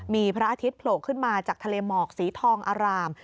มีพระอาทิตย์โผล่ขึ้นมาจากทะเลหมอกสีทองอาราม